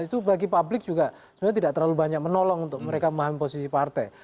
itu bagi publik juga sebenarnya tidak terlalu banyak menolong untuk mereka memahami posisi partai